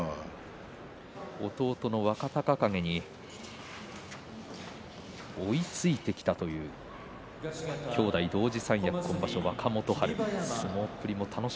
弟の若隆景に追いついてきたという兄弟同時三役の今場所、若元春。